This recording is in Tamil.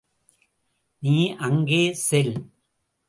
நீ அங்கே செல்!